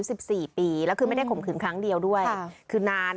สิบสี่ปีแล้วคือไม่ได้ข่มขืนครั้งเดียวด้วยคือนาน